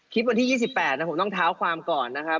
วันที่๒๘ผมต้องเท้าความก่อนนะครับ